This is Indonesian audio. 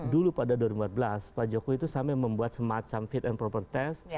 dulu pada dua ribu empat belas pak jokowi itu sampai membuat semacam fit and proper test